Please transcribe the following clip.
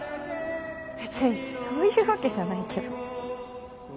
別にそういうわけじゃないけど。